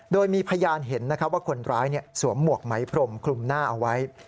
โดยมีพยานเห็นว่าคนร้ายสวมหมวกไหมพรมคลุมหน้าเอาไว้